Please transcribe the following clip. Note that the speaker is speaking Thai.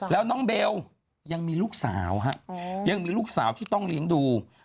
แล้วน้องเบลยังมีลูกสาวฮะยังมีลูกสาวที่ต้องเลี้ยงดู